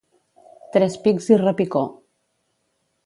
Tres pics i repicó.